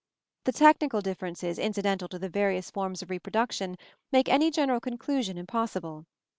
The technical differences incidental to the various forms of reproduction make any general conclusion impossible.